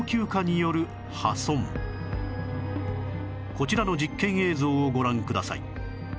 こちらの実験映像をご覧ください